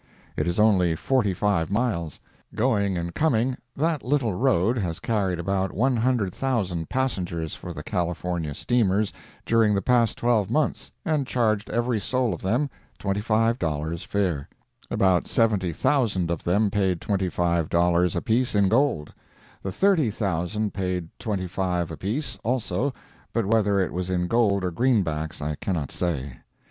It is only forty five miles. Going and coming, that little road has carried about 100,000 passengers for the California steamers during the past twelve months—and charged every soul of them twenty five dollars fare. About 70,000 of them paid twenty five dollars apiece in gold; the thirty thousand paid twenty five apiece, also, but whether it was in gold or greenbacks, I cannot say.